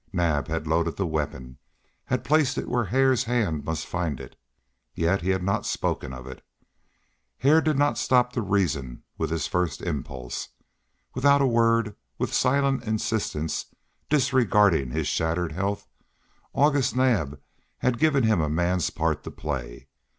Naab had loaded the weapon, he had placed it where Hare's hand must find it, yet he had not spoken of it. Hare did not stop to reason with his first impulse. Without a word, with silent insistence, disregarding his shattered health, August Naab had given him a man's part to play.